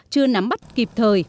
chưa nắm bắt kịp thời